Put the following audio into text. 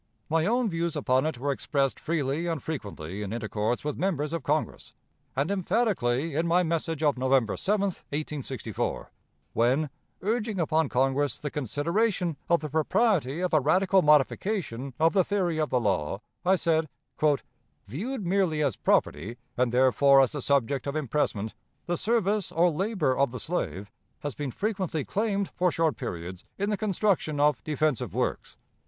My own views upon it were expressed freely and frequently in intercourse with members of Congress, and emphatically in my message of November 7, 1864, when, urging upon Congress the consideration of the propriety of a radical modification of the theory of the law, I said: "Viewed merely as property, and therefore as the subject of impressment, the service or labor of the slave has been frequently claimed for short periods in the construction of defensive works.